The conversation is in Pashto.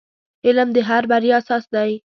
• علم د هر بریا اساس دی.